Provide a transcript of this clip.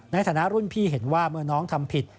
ในฐานะรุ่นพี่เห็นว่าเมื่อน้องทำผิด